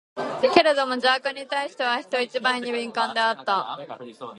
けれども邪悪に対しては、人一倍に敏感であった。